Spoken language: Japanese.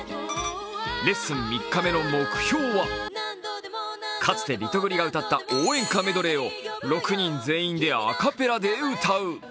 レッスン３日目の目標はかつてリトグリが歌った応援歌メドレーを６人全員でアカペラで歌う。